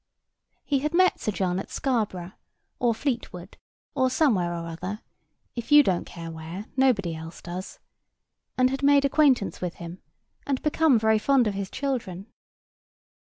He had met Sir John at Scarborough, or Fleetwood, or somewhere or other (if you don't care where, nobody else does), and had made acquaintance with him, and become very fond of his children.